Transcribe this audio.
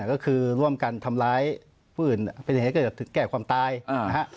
ก็คือร่วมกันทำร้ายผู้อื่นเป็นเครื่องเกี่ยวกับความตายนะฮะ